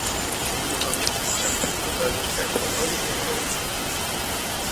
Os últimos anos, sempre por detalles cae para un lado ou para outro.